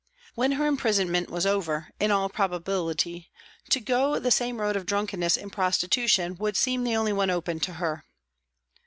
When her imprisonment was over, in all probability, to go the s 2 260 PRISONS AND PRISONERS same road of drunkenness and prostitution would seem the only one open to her.